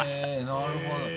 なるほど。